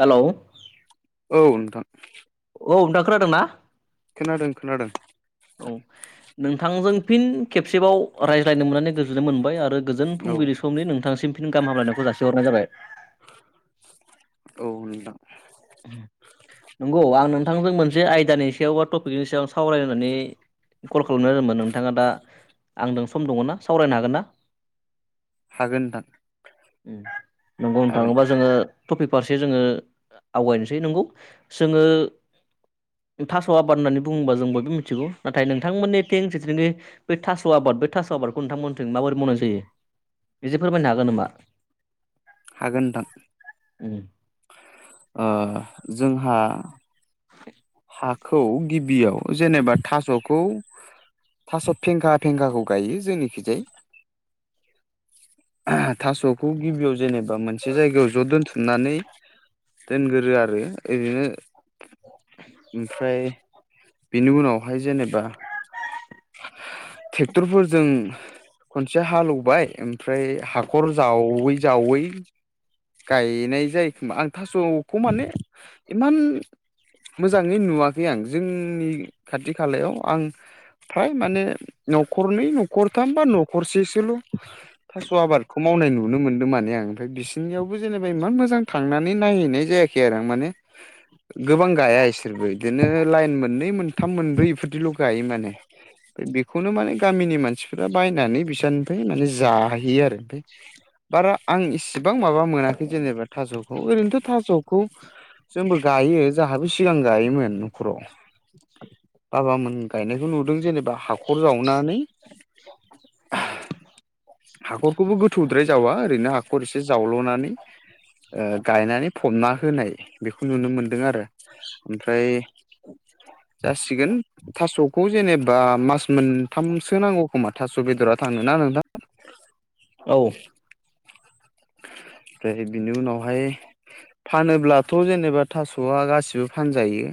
Hello? औ नोंथां औ नोंथां खोनादों ना? खोनादों खोनादों। औ नोंथांजों फिन खेबसेबाव रायज्लायनो मोननानै गोजोननाय मोनबाय आरो गोजोन औ फुंबिलि समनि नोंथांसिम फिन गा। हाम हामलायनायखौ जासिहरनाय जाबाय औ नोंथां उह नंगौ आं नोंथांजों मोनसे आयदानि सायाव बा टपिकनि सायाव सावरायनो होन्नानै कल खालामनाय जादोंमोन नोंथाङा दा आंजों सम दङ ना सावरायनो हागोन ना? हागोन नोंथां उम नंगौ हागोन नोंथांबा जोङो टपिक फारसे जोङो आवगायनोसै नोंगौ जोङो थास' आबाद होननानै बुङोबा जों बयबो मिथिगौ नाथाय नोंथांमोननि थिं जेथि निखि बे थास' आबाद बे थास' आबादखौ नोंथांमोनथिं माबोरै मावनाय जायो? एसे फोरमायनो हागोन नामा? हागोन नोंथां उम ओ जोंहा [inaudible] हाखौ गिबियाव जेनेबा थास'खौ थास' फेंखा फेंखाखौ गायो जोंनिखिजाय थास'खौ गिबियाव जेनेबा मोनसे जायगायाव ज' दोनथुमनानै दोनगोरो आरो इदिनो [inaudible] ओमफ्राय बेनि उनावहाय जेनेबा थेक्टरफोरजों खनसे हालौवबाय ओमफ्राय हाखर जावै -जावै गायनाय जायो खोमा आं थास'खौ माने इमान मोजाङै नुवाखै आं जोंनि खाथि खालायाव आं फ्राय माने न'खरनै न खरथाम बा न'खरसेसोल' थास' आबादखौ मावनाय नुनो मोन्दों माने आं ओमफ्राय बिस इनियावबो जेनेबा इमान मोजां थांनानै नायहैनाय जायाखै आरो आं माने गोबां गाया बिसोरबो बिदिनो लाइन मोननै मोनथाम मोनब्रै इफोरदिल' गायो माने ओमफ्राय बेखौनो माने गामिनि मानसिफ्रा बायनानै बिसानिफ्राय माने जाहैयो आरो ओमफ्राय बारा आं इसेबां माबा मोनाखै जेनेबा थास'खौ ओरैनोथ' थास'खौ जोंबो गायो जाहाबो सिगां गायोमोन न'खराव। बाबामोन गायनायखौ नुदों जेनेबा हाखर जावनानै [inaudible] हाखरखौबो गोथौद्राय जावा ओरैनो हाखर एसे जावल'नानै ओ गायनानै फबना होनाय बेखौ नुनो मोनदों आरो। ओमफ्राय जासिगोन थास' खौ जेनेबा मास मोनथामसो नांगौ खोमा थास' बेदरा थांनो ना नोंथां? औ। ओमफ्राय बिनि उनावहाय फानोब्लाथ' जेनेबा थास'आ गासिबो फानजायो।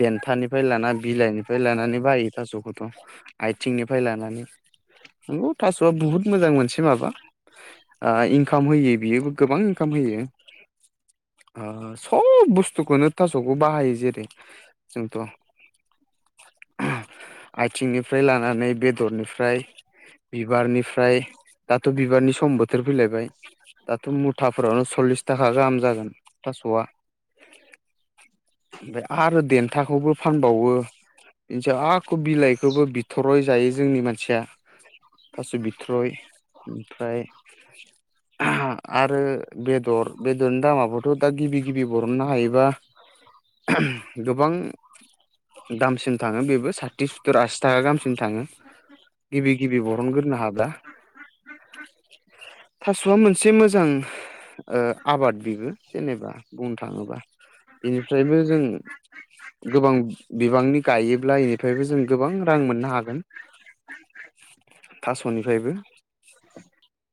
देन्थानिफ्राय लाना बिलाइनिफ्राय लानानै बायो थास'खौथ'। आयथिंनिफ्राय लानानै नंगौ थास'आ बुहुत मोजां मोनसे माबा ओ इंकाम होयो बियोबो गोबां इंकाम होयो। ओ सब बुस्थुखौनो थास'खौ बाहायो जेरै जोंथ' आयथिंनिफ्राय लानानै बेदरनिफ्राय बिबारनिफ्राय दाथ' बिबारनि सम बोथोर फैलायबाय दाथ' मुथाफोरावनो सल्लिस थाखा गाहाम जागोन थास'आ ओमफ्राय आरो देन्थाखौबो फानबावो इनि सायाव आक' बिलाइखौबो बि थरय जायो जोंनि मानसिया थास' बिथ्रय ओमफ्राय आरो बेदर बेदरनि दामाबोथ' दा गिबि गिबि बरननो हायोबा गोबां दामसिन थाङो बेबो साथि सुत्तुर आसि थाखा गाहामसिम थाङो। गिबि गिबि बरनग्रोनो हाब्ला। स मोनसे मोजां ओ आबाद बेबो जेनेबा बुंनो थाङोबा। बेनिफ्रायबो जों गोबां बिबांनि गायोब्ला इनिफ्रायबो जों गोबां रां मोननो हागोन। थास'निफ्रायबो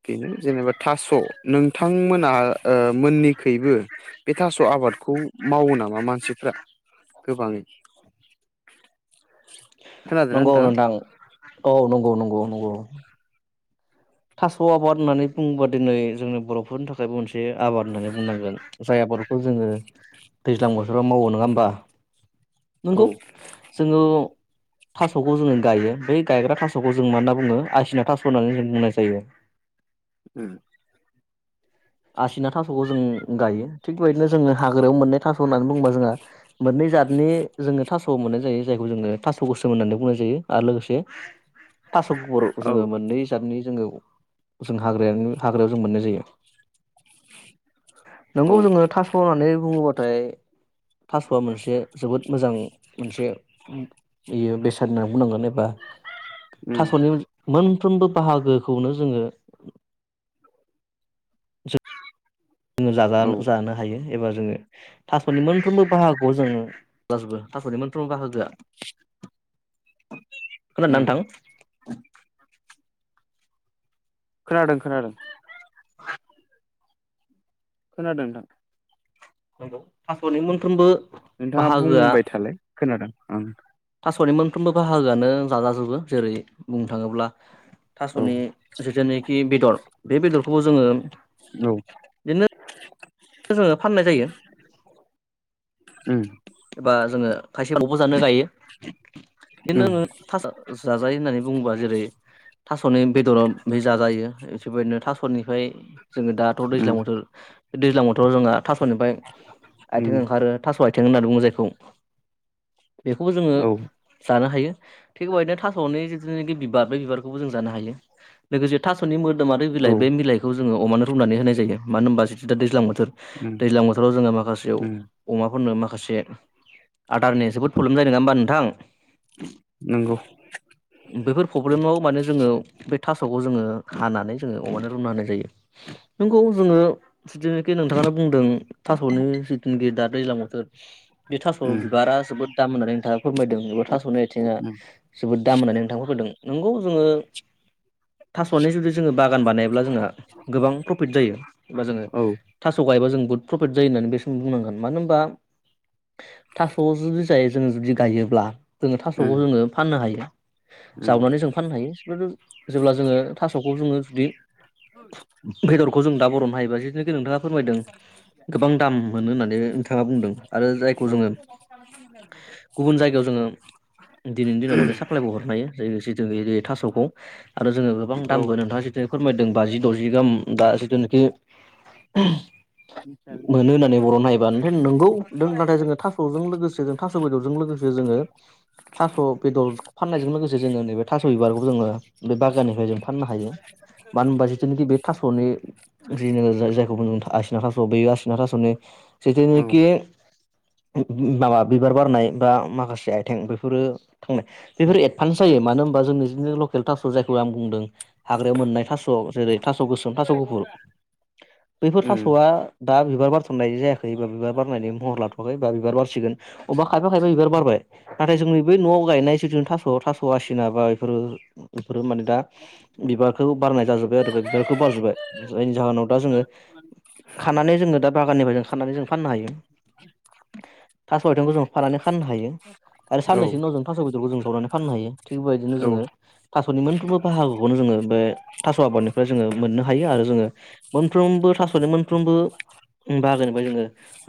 बेनो जेनेबा थास' नोंथांमोनहा ओ मोननिखैबो बे थास' आबादखौ मावो नामा मानसिफ्रा गोबाङै? [inaudible] नंगौ नोंथाङा नोंथां औ नंगौ नंगौ नंगौ। थास' आबाद होननानै बुङोबा दिनै जोंनि बर'फोरनि थाखायबो मोनसे आबाद होननानै बुंनांगोन। जाय आबादखौ जोङो दैज्लां बोथोराव मावो नङा होमबा? औ नंगौ। जोङो थास'खौ जोङो गायो। बै गायग्रा थास'खौ जों मा होनना बुङो आसिना थास' होननानै जों बुंनाय जायो। ओम आसिना थास'खौ जों गायो। थिग बेबायदिनो जोङो हाग्रायाव मोननै थास' होननानै बुंङोबा जोंहा मोननै जादनि जोङो थास' औ मोननाय जायो जायखौ जोङो थास' गोसोम होननानै बुंनाय जायो आरो लोगोसे थास' गुफुर औ जोङो मोननै जादनि जोङो जों हाग्राय हाग्रायाव जों मोननाय जायो। औ नोंगौ जोङो थास' होननानै बुङोबाथाय थास'आ मोनसे जोबोद मोजां मोनसे बियो बेसाद होनाना बुंनांगोन एबा उम थास'नि मोनफ्रोमबो बाहागोखौनो जोङो जोङो जाजा औ जानो हायो। एबा जोङो थासप'तनि मोनफ्रोमबो बाहागोआव जोङ गसिबो तास'नि मोनफ्रोमबो बाहागोआ। खोनादोंना उम नोंथां? खोनादों खोनादों। [inaudible] खोनादों नोंथां। नंगौ थास'नि मोनफ्रोमबो नोंथाङा बाहागोआ बुंबाय थालाय खोनादों आं। थास'नि मोनफ्रोमबो बाहागोआनो जाजाजोबो जेरै बुंनो थाङोब्ला औ थास'नि जेथनाखि बेदर बे बेदरखौबो जोङो औ बिदिनो जोङो फाननाय जायो। ओम एबा जोङो खायसेबावबो जानो गायो उम बिदिनोङो जाजायो होननानै बुङोबा जेरै थास'नि बेदराव बे जाजायो बेफोरबायदिनो थास'निफ्राय जोङो दाथ' दैज्लां उम मोथोर बे दैज्लां बोथोराव जोंहा थास'निफ्राय आथिं उम ओंखारो थास' आथिं होननानै बुङो जायखौ बेखौबो जोङो औ जानो हायो थिग बेबायदिनो थास'नो जिथनोखि बिबार बे बिबारखौबो जों जानो हायो। लोगोसे थास'नि मोदोमारि औ बिलाइ बे मिलाइखौ जोङो अमानो रुनानै होनाय जायो मानो होनबा जिथु दा दैज्लां बोथोर। उम दैज्लां बोथोराव जोङो माखासेयाव। उम अमाफोरनो माखासे आदारनि जोबोद प्रब्लेम जानाय नङा होमबा नोंथां। नंगौ। बेफोर प्रब्लेमाव माने जोङो बे थास'खौ जोङो हानानै जोङो अमानो रुना होनाय जायो। नंगौ जोङो जेनाखि नोंथाङा बुंदों थास'नि जिखिनि बे दाद दैज्लां बोथोर बे थास'ल उम बिबारा जोबोद दाम होननानै नोंथाङा फोरमायदों एबा थास'नि आथिंङा उम जोबोद दाम होननानै नोंथांखौ फोरदों। नंगौ जोङो थास'नि जुदि जोङो बागान बानायब्ला जोंहा गोबां प्रफिट जायो अब्ला जोङो औ थास' गायोब्ला जों बहुत प्रफिट जायो होननानै बेसिम बुंनांगोन। मानो होनबा थास' जुदि जायो जोङो जुदि गायोब्ला जोङो थास'खौ उम जोङो फाननो हायो उम जावनानै जों फाननो हायो जेब्ला जोङो थास'खौ जोङो जुदि [inaudible] बेदरखौ जों दा बर'नो हायोबा जिथुखि नोंथाङा फोरमायदों गोबां दाम मोनो होननानै। नोंथाङा बुंदों आरो जायखौ औ जोङो गुबुन जायगायाव जों ओ दिनैनि दिनाव माने साप्लायबो हरनो हायो लोगोसे जों थास'खौ। आरो जोङो गोबां औ दामबो नोंथाङा जिथु फोरमायदों बाजि द'जि गाहाम दा जिथुनाखि मिथियालै मोनो होननानै [unintelligible] नंगौ दों नाथाय जोङो थास'जों लोगोसे जों थास' बेदरजों लोगोसे जोङो थास' बेदर फाननायजों लोगोसे जोङो नैबे थास' बिबारखौ जोङो बे बागाननिफ्राय जों फाननो हायो मानो होनबा जिथुनाखि बे थास'नि जिनो जाय-जायखौ बुङो आसिना थास' बे आसिना थास'नि औ जेथुनोखि माबा बिबार बारनाय बा माखासे आथिं बेफोरो थांनाय बेफोर एडभान्स जायो मानो होनबा जोंनिनो लकेल थास' जायखौ आं बुंदों। हाग्रायाव मोननाय थास' जेरै थास' गोसोम थास' गुफुर बैफोर उम थास'आ दा बिबार बारथ'नाय जाय [unintelligible] बिबार बारनायनि महर लाथ'वाखै बा बिबार बारसिगोन अबा खायफा खायफा बिबार बारबाय। नाथाय जोंनि नैबे न'आव गायनाय थास' आसिना बा इफोरो इफोरो माने दा बिबारखौ बारनाय जाजोबबाय आरो बे बिबारखौ बारजोबबाय जायनि जाहोनाव दा जोङो खानानै जोङो दा बागाननिफ्राय जों खानानै जों फाननो हायो थास' आथिंखौ जों फारानै फाननो हायो। आरो औ साननैसो उनाव जों थास' बिदरखौ जों जावनानै फाननो हायो थिग बेबायदिनो औ जोङो थास'नि मोनफ्रोमबो बाहागोखौनो जोङो बे थास' आबादनो बो जोङो मोननो हायो आरो जोङो मोनफ्रोमबो थास'नि मोनफ्रोमबो उम बाहागोनि जोङो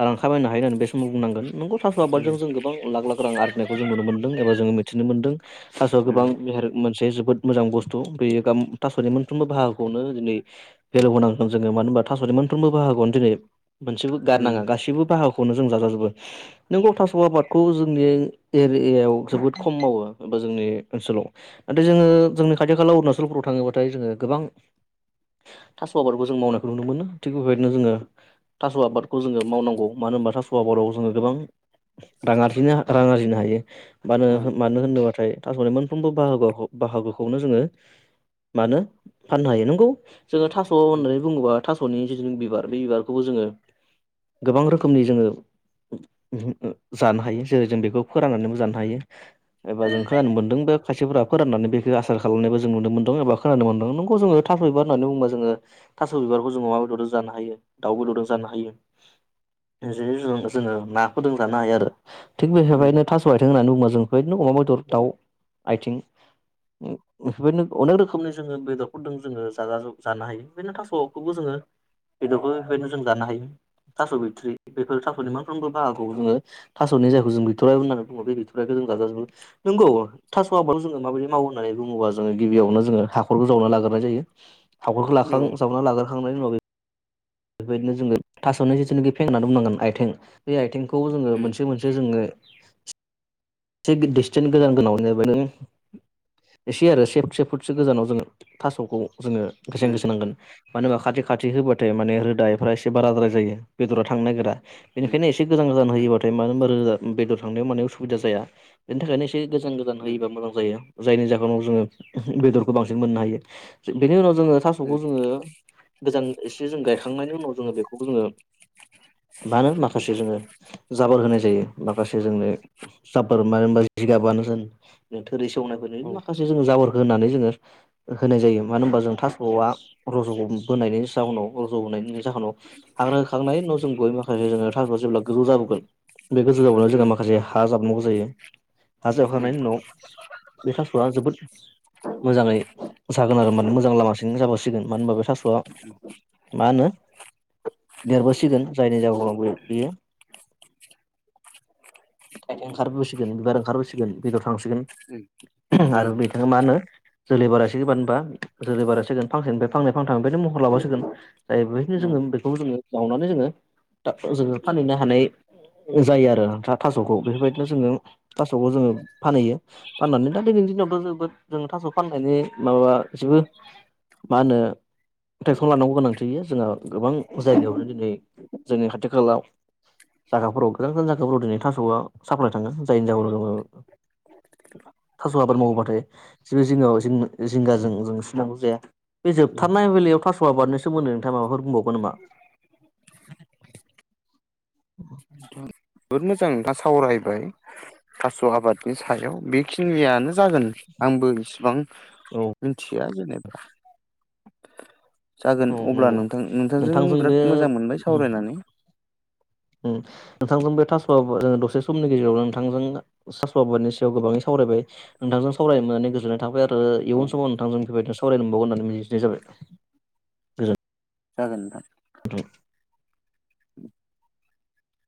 रां खामायनो हायो होननानै बे समाव बुंनांगोन नंगौ थास' उम आबादजों जों गोबां लाख लाख रां आरजिनायखौ जों नुनो मोनदों एबा जोङो मिथिनो मोनदों थास'आ उम गोबां मेहेर मोनसे जोबोद मोजां बुस्थु बेयो गाम थास'नि मोनफ्रोमबो बाहागोखौनो दिनै भेलौ होनांगोन जोङो मानो होनबा थास'नि मोनफ्रोमबो बाहागोखौनो दिनै मोनसेबो गारनाङा उम गासिबो बाहाग खौनो जों जाजोबो नोंगौ थास' आबादखौ जोंनि एरियायाव जोबोद खम मावो। बा जोंनि ओनसोलाव नाथाय जोङो जोंनि खाथि खाला अरुनाचल फोराव थाङोबाथाय जोङो गोबां थास' आबादखौ जों मावनायखौ नुनो मोनो थिग बेबायदिनो जोङो थास' आबादखौ जोङो मावनांगौ मानो होनबा थास' आबादाव जोङो गोबां रां आरजिनो रां आरजिनो हायो बा औ उम औ उम औ उम औ नोङो मा नो होनोबाथाय थास'नि मोनफ्रोमबो बाहागोखौ बाहागोखौनो जोङो मानो फाननो हायो नंगौ जोङो थास' होननानै बुङोबा थास'नि जि बिबार बे बिबारखौबो जोङो गोबां रोखोमनि जोङो जानो हायो जेरै जों बेखौ फोराननानैबो जानो हायो एबा जों खोनानो मोनदों बा खायसेफोरा फोराननानै बेखो आसार खालामनायबो जों नुनो मोनदों एबा खोनानो मोनदों नंगौ जोङो थास' बिबार होननानै बुंबा जोङो थास' बिबारखौ जों अमा बेदरजों जानो हायो दाउ बेदरजों जानो हायो जेरै जों जोङो ना फोरदों जानो हायो आरो थिग बेफोरबादिनो थास' आयथें होननानै बुङोबा जों बेबायदिनो अमा बेदर दाउ आयथिं बेफोरबायदिनो अनेक रोखोमनि जोङो बेदरफोरदों जोङो जाजाजोब जानो हायो। बेबायदिनो थास'खौबो जोङो बेदर फोरजों जों जानो हायो। थास' बिथरि बेफोर थास'नि मोनफ्रोमबो बाहागखौ जोङो थास'नि जायखौ जों बिथराइ होननानै बुङो बे बिथ'राइखौ जों जाजाजोबो नंगौ थास' आबादखौ जोङो माबायदि मावो होननानै बुङोबा जोङो गिबियावनो जोङो हाखरखौ जावना लागोरनाय जायो। हाखरखौ लाखां जावना लागोरखांनायनि उनाव बे बेफोरबायदिनो‌ जोङो थास'नि जिथुनाखि फें होननानै बुंनांगोन आयथें बे आयथेंखौ जोङो मोनसे मोनसे जे जोङो एसे बे दिसटेन गोजान गोनांआवनो जाबाय नों एसे आरो से से फुटसो गोजानाव जोङो थास'खौ जोङो गेसें गेसें होनांगोन। मानो होनबा खाथि खाथि होबाथाय माने रोदायफ्रा एसे बाराद्राय जायो बेदरा थांनो नागिरा। बेनिखायनो एसे गोजान गोजान होयोबाथाय मानो होनबा रोदा बेदर थांनायाव माने उसुबिदा जाया बेनि थाखायनो एसे‌ एसे गोजान गोजान होयोबा मोजां जायो। जायनि जाहोनाव जोङो बेदरखौ बांसिन मोननो हायो बेनि उनाव जोङो थास'खौ जोङो। गोजान एसे जों गायखांनायनि उनाव जोङो बेखौबो जोङो। मानो माखासे जोङो जाबोर होनाय जायो माखासे जोंनो। जाबोर मानो होनबा जिगाबानो होन थोरि सेवनायफोर माखासे जोङो जाबोरखो होननानै जोङो। होनाय जायो मानो होनबा जों थास'आ रज' बोनायनि जाहोनाव रज'बोनायनि जाहोनाव। हाग्रो होखांनायनि उनाव जों गयै माखासे जोङो थास जेब्ला गोजौ जाबोगोन। [unintelligible] जोङो माखासे हा जाबनांगौ जायो हा जाबखांनायनि उनाव बे थास'आ जोबोद‌ मोजाङै जागोन आरो माने मोजां लामासिं जाबावसिगोन मानो होनबा बे थास'आ मा होनो देरबोसिगोन जायनि जाउनाव बे बियो ओंखार बोसिगोन बिबार ओंखारबोसिगोन बेदर थांसिगोन। आरो [unintelligible] मा होनो जोलै बारायसिगोन होमबा जोलै बारायसिगोन फांसेनि फांनै फाथां ओनो महर लाबासिगोन। जायो बेखनो जोङो बेखौ जोङो जावनानै जोङो जोङो फानहैनो हानाय जायो आरो दा थास'खौ बेफोरबायदिनो जोङो थास'खौ जोङो फानहैयो। फाननानै दा दिनैनि दिनावथ' जोबोद जों थास' फाननायनि माबा एसेबो मा होनो प्रटेकसन लानांगौ गोनांथि होयो जोंहा गोबां जायगायावनो दिनै जोंनि खाथि खाला जागाफोराव गोजान गोजान जागाफोराव दिनै थास'आ साप्लाय थाङो जायनि जाहोनाव जोङो थास' आबाद मावोब्लाथाय जेबो जिगा-जिंगाजों सिनांगौ जाया बे उम जोबथारनाय बेलायाव थास' आबादनि सोमोन्दै नोंथाङा माबाफोर बुंबावगोन नामा? जोबोद मोजां दा सावरायबाय थास' आबादनि सायाव बेखिनियानो जागोन। आंबो इसिबां औ मिथिया जेनेबा जागोन अब्ला नंगौ नोंथां नोंथांजों बिराद मोजां मोनबाय सावरायनानै। उम नोंथांजों बे थास' जोङो दसे समनि गेजेरावनो नोंथांजों थास' आबादनि सायाव गोबाङै सावरायबाय नोंथांजों सावरायनानै गोजोननाय थाबाय आरो औ इयुन समाव नोंथांजों बेबायदिनो सावरायनो मोनबावगोन होननानै मिजिंथिनाय जाबाय। गोजोनथों जागोन नोंथां। [unintelligible]